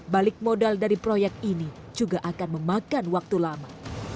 balik modal dari proyek ini juga akan memakan waktu lama